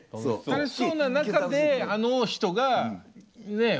楽しそうな中であの人がねえ